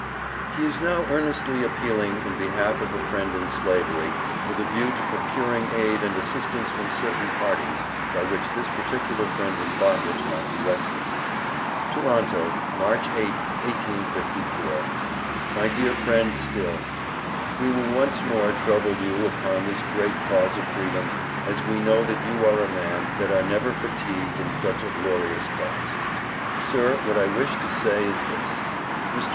_He is now earnestly appealing in behalf of a friend in Slavery, with a view to procuring aid and assistance from certain parties, by which this particular friend in bondage might be rescued_. Toranto, March 8th, 1854. My Dear Friend Still: We will once more truble you opon this great cause of freedom, as we know that you are a man, that are never fatuged in Such a glorious cause. Sir, what I wish to Say is this. Mr.